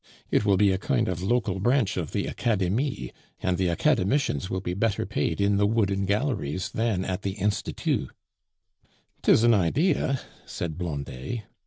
It will be a kind of local branch of the Academie, and the Academicians will be better paid in the Wooden Galleries than at the Institut." "'Tis an idea," said Blondet.